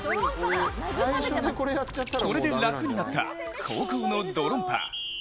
これで楽になった後攻のドロンパ。